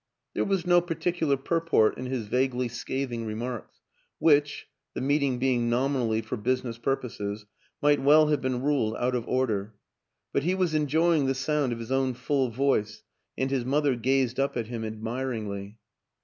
There was no particular purport in his vaguely scathing remarks, which (the meeting be ing nominally for business purposes) might well have been ruled out of order; but he was enjoying the sound of his own full voice and his mother gazed up at him admiringly.